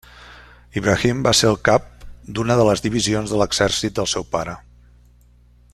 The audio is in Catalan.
Ibrahim va ser el cap d'una de les divisions de l'exèrcit del seu pare.